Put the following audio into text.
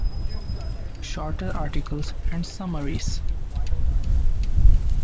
Shorter articles and summaries.